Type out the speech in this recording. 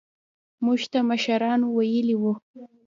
موږ ته مشرانو ويلي وو.